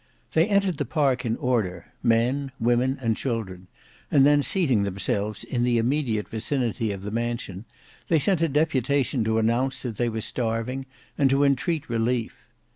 They entered his park in order—men, women, and children—and then seating themselves in the immediate vicinity of the mansion, they sent a deputation to announce that they were starving and to entreat relief.